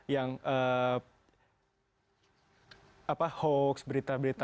yang hoax berita berita